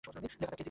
দেখা যাক কে জিতে।